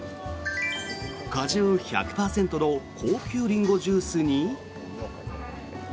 果汁１００％の高級リンゴジュースに。